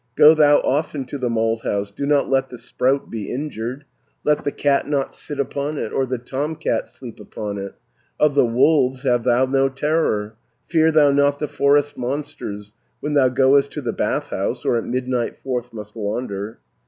Go thou often to the malthouse, Do not let the sprout be injured, Let the cat not sit upon it, Or the tomcat sleep upon it. Of the wolves have thou no terror, Fear thou not the forest monsters, 410 When thou goest to the bath house, Or at midnight forth must wander.